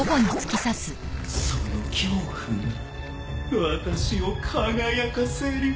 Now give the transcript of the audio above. その恐怖が私を輝かせる。